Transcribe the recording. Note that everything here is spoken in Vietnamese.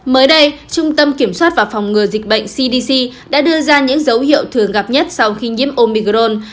mới đây trung tâm kiểm soát và phòng ngừa dịch bệnh cdc đã đưa ra những dấu hiệu thường gặp nhất sau khi nhiễm omicron